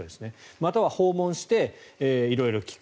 または訪問して色々聞く。